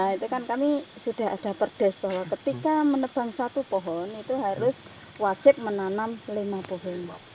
itu kan kami sudah ada perdes bahwa ketika menebang satu pohon itu harus wajib menanam lima pohon